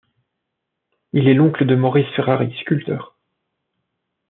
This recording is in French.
Il est l'oncle de Maurice Ferrary, sculpteur.